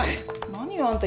何よあんた？